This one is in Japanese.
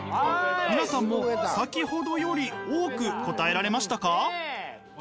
皆さんも先ほどより多く答えられましたか？